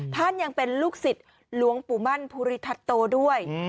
ท่านยังเป็นลูกศิษย์หลวงปู่มั่นภูริทัศโตด้วย